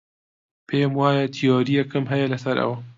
پێم وایە تیۆرییەکم هەیە لەسەر ئەوە.